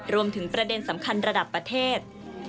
รวมถึงประเด็นสำคัญระดับประเทศ